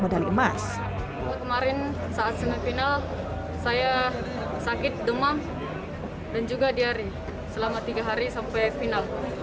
modal emas kemarin saat semifinal saya sakit demam dan juga di hari selama tiga hari sampai final